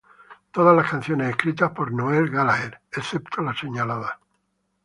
Todas las canciones escritas por Noel Gallagher, excepto las señaladas.